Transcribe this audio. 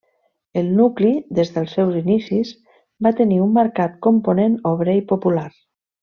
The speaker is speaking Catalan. El nucli, des dels seus inicis, va tenir un marcat component obrer i popular.